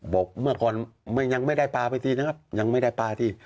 บอกเมื่อก่อนยังไม่ได้ปลาไปทีนะครับยังไม่ได้ปลาที